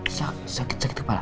bapak sakit sakit kepala